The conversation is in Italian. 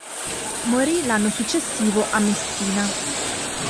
Morì l'anno successivo a Messina.